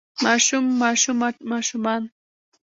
ماشوم ماشومه ماشومان